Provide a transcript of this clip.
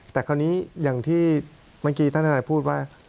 แต่คราวนี้อย่างที่เมื่อกี้ท่านทนายพูดว่า